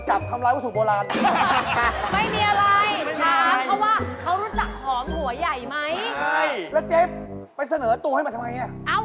เจฟไปเสนอตัวให้มันทำไงน่ะ